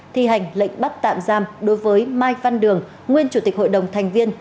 thi hành lệnh bắt tạm giam đối với mai văn đường nguyên chủ tịch hội đồng thành viên